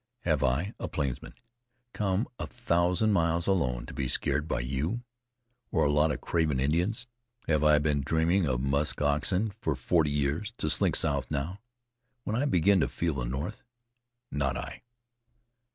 Have I, a plainsman, come a thousand miles alone to be scared by you, or a lot of craven Indians? Have I been dreaming of musk oxen for forty years, to slink south now, when I begin to feel the north? Not I."